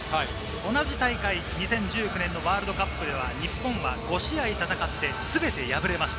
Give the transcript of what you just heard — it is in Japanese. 同じ大会、２０１９年のワールドカップでは日本は５試合戦って、すべて敗れました。